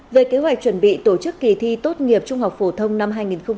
về kế hoạch chuẩn bị tổ chức kỳ thi tốt nghiệp trung học phổ thông năm hai nghìn hai mươi